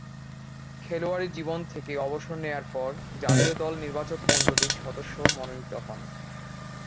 খেলোয়াড়ী জীবন থেকে অবসর নেয়ার পর জাতীয় দল নির্বাচকমণ্ডলীর সদস্য মনোনীত হন।